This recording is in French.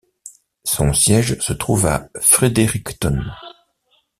Son siège se trouve à Fredericton.